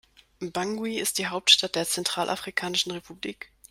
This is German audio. Bangui ist die Hauptstadt der Zentralafrikanischen Republik.